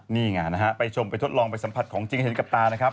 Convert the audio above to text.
นี่ไงนะฮะไปชมไปทดลองไปสัมผัสของจริงเห็นกับตานะครับ